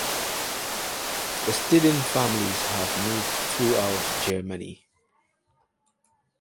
The Steding families have moved throughout Germany.